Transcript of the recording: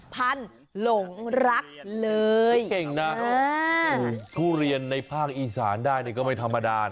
พันธุ์หลงรักเลยเก่งนะทุเรียนในภาคอีสานได้ก็ไม่ธรรมดานะ